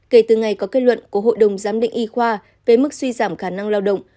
kể từ ngày có kết luận của hội đồng giám định y khoa về mức suy giảm khả năng lao động